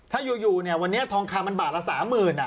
ถ้าอยู่เนี่ยวันนี้ทองคำมันบาทละ๓๐๐๐บาท